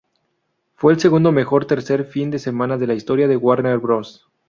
Fue el segundo mejor tercer fin de semana de la historia de Warner Bros.